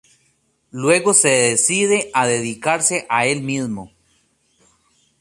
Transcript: Luego se decide a dedicarse a el mismo.